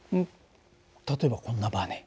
例えばこんなばね。